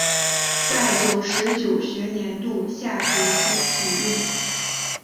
在九十九学年度下学期启用。